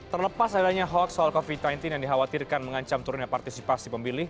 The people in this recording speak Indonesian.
terlepas adanya hoax soal covid sembilan belas yang dikhawatirkan mengancam turunnya partisipasi pemilih